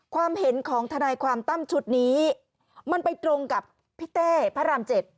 ความเห็นของทนายความตั้มชุดนี้มันไปตรงกับพี่เต้พระราม๗